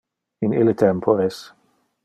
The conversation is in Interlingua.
In ille tempores.